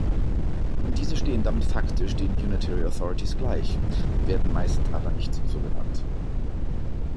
Diese stehen damit faktisch den Unitary Authorities gleich, werden meist aber nicht so genannt.